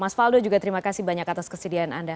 mas valdo juga terima kasih banyak atas kesedihan anda